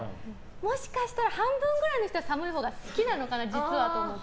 もしかしたら半分くらいの人は寒いほうが好きなのかなって思って。